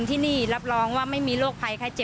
บริเวณหน้าสารพระการอำเภอเมืองจังหวัดลบบุรี